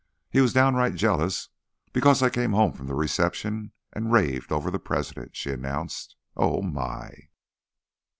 "He was downright jealous because I came home from the reception and raved over the President," she announced. "Oh, my!"